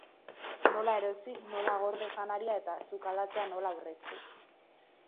Nola erosi, nola gorde janaria eta sukaldatzean nola aurreztu.